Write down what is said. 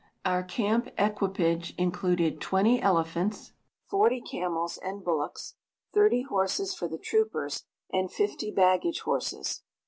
Our camp equipage included twenty elephants, forty camels and bullocks, thirty horses for the troopers, and fifty baggage horses.